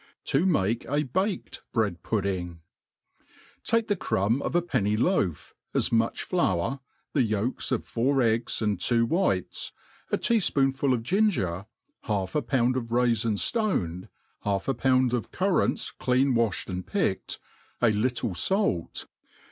To maki a baked Bread*Pud£tiz. TAKE the crumb of a penny^loaf, as much flour, the yolkl €£ four eggs and two whites, a tea fpoonful of ginger, half a pound of raifins fioned, half a pound of currants clean wafhe4 and picked, a little fait.